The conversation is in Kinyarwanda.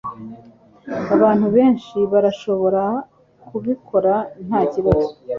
Abantu benshi barashobora kubikora nta kibazo